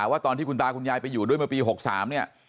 เราหาว่าตอนที่คุณตาคุณยายไปอยู่มาปี๖๓